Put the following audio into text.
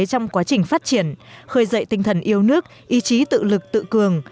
trong quá trình phát triển khơi dậy tinh thần yêu nước ý chí tự lực tự cường